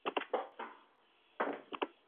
Gill se declaró culpable de violación.